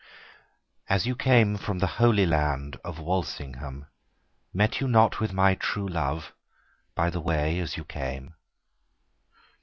As you came from the holy land Of Walsinghame, Met you not with my true love By the way as you came